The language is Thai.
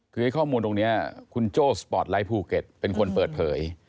คือข้อมูลตรงนี้คุณโจ้สปอร์ตไลท์ภูเก็ตเป็นคนเปิดเผย